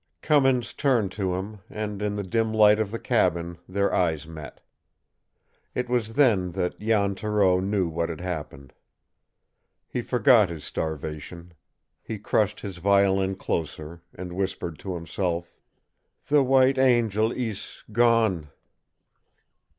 Cummins turned to him, and, in the dim light of the cabin, their eyes met. It was then that Jan Thoreau knew what had happened. He forgot his starvation. He crushed his violin closer, and whispered to himself: "The white angel ees gone!"